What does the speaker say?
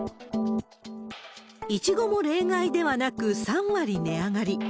イチゴも例外ではなく、３割値上がり。